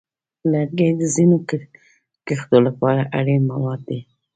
لرګي د ځینو کښتو لپاره اړین مواد دي.